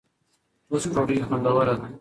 ټوسټ ډوډۍ خوندوره ده.